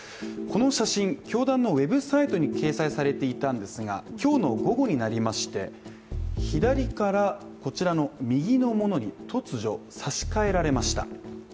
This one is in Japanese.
この写真、教団のウェブサイトに掲載されていたんですが今日の午後になりまして左から右のものに突如、差し替えられました。